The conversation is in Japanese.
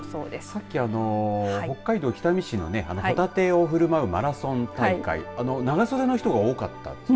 さっき北海道北見市のホタテをふるまうマラソン大会長袖の人が多かったんです。